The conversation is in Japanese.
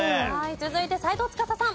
続いて斎藤司さん。